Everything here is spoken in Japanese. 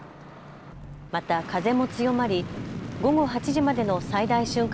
また風も強まり午後８時までの最大瞬間